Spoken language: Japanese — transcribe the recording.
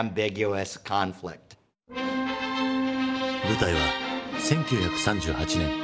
舞台は１９３８年